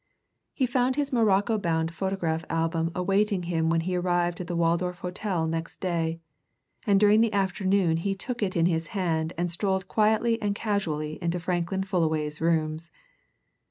He found his morocco bound photograph album awaiting him when he arrived at the Waldorf Hotel next day, and during the afternoon he took it in his hand and strolled quietly and casually into Franklin Fullaway's rooms.